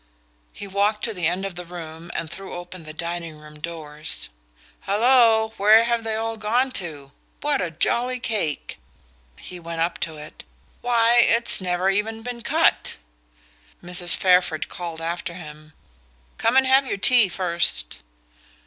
He walked to the end of the room and threw open the dining room doors. "Hallo where have they all gone to? What a jolly cake!" He went up to it. "Why, it's never even been cut!" Mrs. Fairford called after him: "Come and have your tea first."